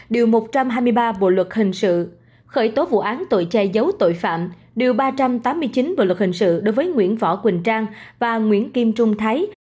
điều một trăm hai mươi ba bộ luật hình sự khởi tố vụ án tội che giấu tội phạm điều ba trăm tám mươi chín bộ luật hình sự đối với nguyễn võ quỳnh trang và nguyễn kim trung thái